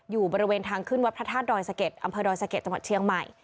อยู่บริเวณทางขึ้นวัดพระธาตุดอยสะเก็ดอำเภอดอยสะเก็ดจังหวัดเชียงใหม่